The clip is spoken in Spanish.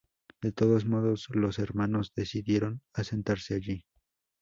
De todos modos, los hermanos decidieron asentarse allí.